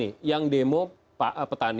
ini kan selalu media ini kan memotretkan kan